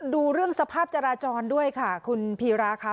ดูเรื่องสภาพจราจรด้วยค่ะคุณพีราค่ะ